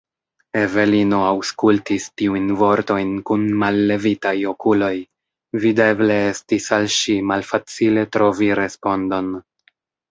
Evelino aŭskultis tiujn vortojn kun mallevitaj okuloj; videble estis al ŝi malfacile trovi respondon.